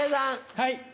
はい。